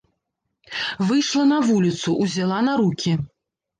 Выйшла на вуліцу, узяла на рукі.